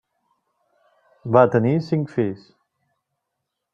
Va tenir cinc fills: